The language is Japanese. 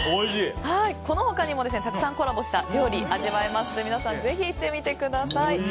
この他にもたくさんコラボした料理を味わえますので皆さん、ぜひ行ってみてください。